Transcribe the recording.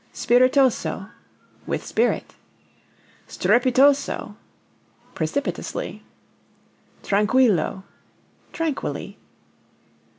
Spiritoso with spirit. Strepitoso precipitously. Tranquillo tranquilly.